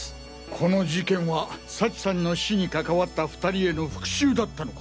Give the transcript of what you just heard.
この事件は幸さんの死に関わった２人への復讐だったのか！？